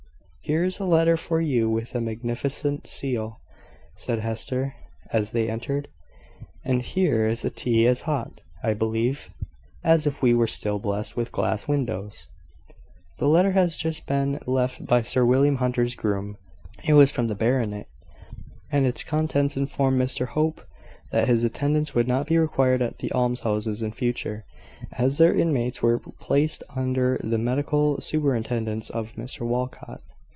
"Here is a letter for you, with a magnificent seal," said Hester, as they entered. "And here is tea as hot, I believe, as if we were still blessed with glass windows." The letter had just been left by Sir William Hunter's groom. It was from the Baronet, and its contents informed Mr Hope that his attendance would not be required at the almshouses in future, as their inmates were placed under the medical superintendence of Mr Walcot.